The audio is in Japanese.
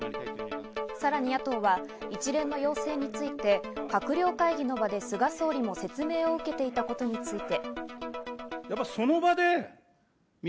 さらに野党は一連の要請について、閣僚会議の場で菅総理も説明を受けていたことについて。